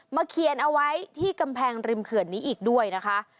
เขียนเอาไว้ที่กำแพงริมเขื่อนนี้อีกด้วยนะคะ